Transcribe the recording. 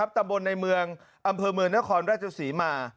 ตำบลในเมืองอำเภอเมืองนครราชศรีมา